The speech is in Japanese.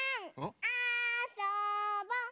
あそぼ！